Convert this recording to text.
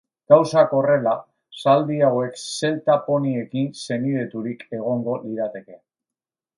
Gauzak horrela, zaldi hauek zelta poniekin senideturik egongo lirateke.